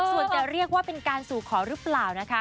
ส่วนจะเรียกว่าเป็นการสู่ขอหรือเปล่านะคะ